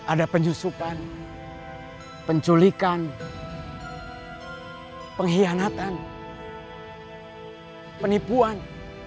ada penyusukan penculikan pengkhianatan penipuan